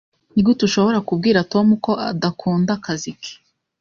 Nigute ushobora kubwira Tom ko adakunda akazi ke?